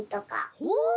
ほう！